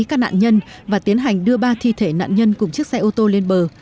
các nạn nhân và tiến hành đưa ba thi thể nạn nhân cùng chiếc xe ô tô lên bờ